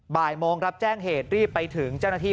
บ่ายโมงรับแจ้งเหตุรีบไปถึงเจ้าหน้าที่